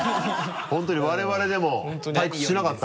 本当に我々でも退屈しなかった？